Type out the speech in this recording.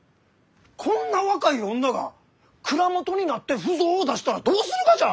こんな若い女が蔵元になって腐造を出したらどうするがじゃ！？